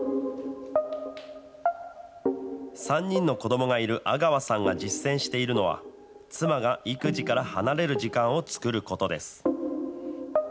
３人の子どもがいる阿川さんが実践しているのは、妻が育児から離れる時間を作ることです。